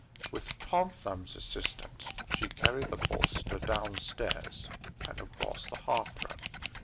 With Tom Thumbs's assistance she carried the bolster downstairs, and across the hearth rug.